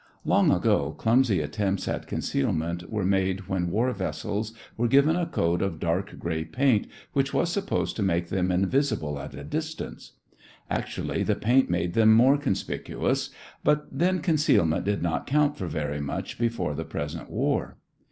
Long ago clumsy attempts at concealment were made when war vessels were given a coat of dark gray paint which was supposed to make them invisible at a distance. Actually the paint made them more conspicuous; but, then, concealment did not count for very much before the present war.